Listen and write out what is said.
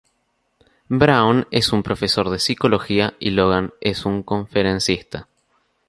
Brown es un profesor de psicología y Logan es un conferencista.